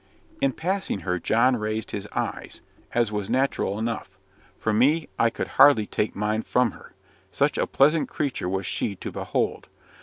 In passing her, John raised his eyes, as was natural enough. For me, I could hardly take mine from her, such a pleasant creature was she to behold.